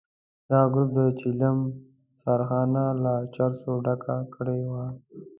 دغه ګروپ د چلم سرخانه له چرسو ډکه کړې وه.